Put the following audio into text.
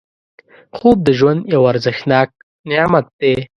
خوب د ژوند یو ارزښتناک نعمت دی